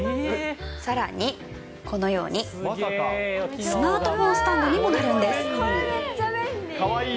さらに、このようにスマートフォンスタンドにもなるんです。